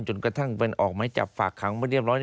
จนกระทั่งเป็นออกไม้จับฝากขังมาเรียบร้อย